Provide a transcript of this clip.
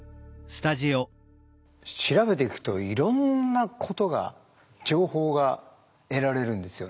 調べていくといろんなことが情報が得られるんですよね。